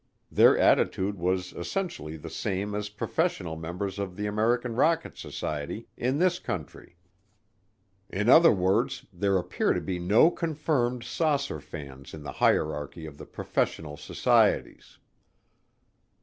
Their attitude was essentially the same as professional members of the American Rocket Society in this country. In other words, there appear to be no confirmed saucer fans in the hierarchy of the professional societies.